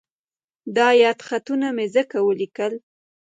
دا یادښتونه مې ځکه ولیکل.